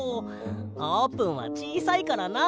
あーぷんはちいさいからな。